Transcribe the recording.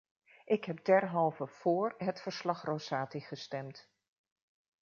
Ik heb derhalve vóór het verslag-Rosati gestemd.